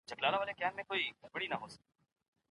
نور هېڅوک داسې زعفران نه لري.